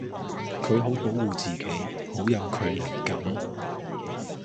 佢好保護自己，好有距離感